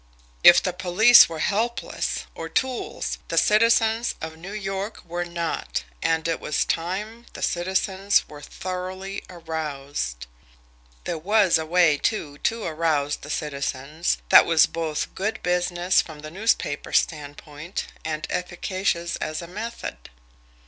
If the police were helpless, or tools, the citizens of New York were not, and it was time the citizens were thoroughly aroused. There was a way, too, to arouse the citizens, that was both good business from the newspaper standpoint, and efficacious as a method.